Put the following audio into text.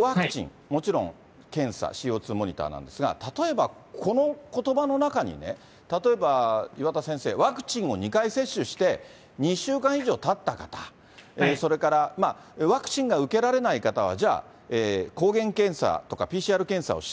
ワクチン、もちろん検査、ＣＯ２モニターなんですが、例えばこのことばの中にね、例えば岩田先生、ワクチンを２回接種して、２週間以上たった方、それからワクチンが受けられない方は、じゃあ抗原検査とか、ＰＣＲ検査をして、